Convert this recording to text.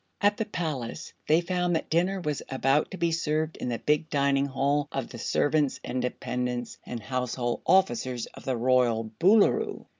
At the palace they found that dinner was about to be served in the big dining hall of the servants and dependents and household officers of the royal Boolooroo.